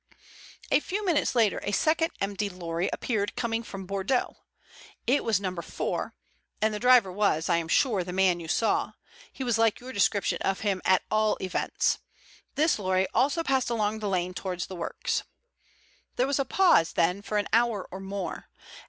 "A few minutes later a second empty lorry appeared coming from Bordeaux. It was No. 4, and the driver was, I am sure, the man you saw. He was like your description of him at all events. This lorry also passed along the lane towards the works. "There was a pause then for an hour or more.